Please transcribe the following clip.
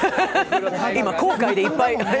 今、後悔でいっぱい。